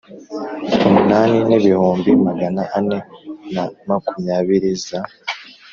umunani n ibihumbi magana ane na makumyabiri za